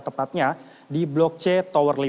tepatnya di blok c tower lima